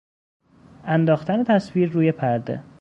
انداختن تصویر روی پرده